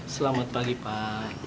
selamat pagi pak